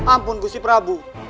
ampun guski prabu